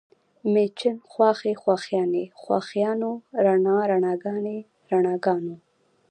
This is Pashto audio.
مېچن، خواښې، خواښیانې، خواښیانو، رڼا، رڼاګانې، رڼاګانو